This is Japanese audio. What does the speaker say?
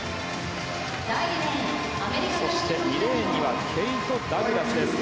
２レーンにはケイト・ダグラスです。